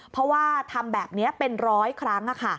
เพราะว่าทำแบบนี้เป็นร้อยครั้ง